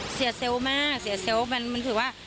เสียเซลล์มากเสียเซลล์มันถือว่า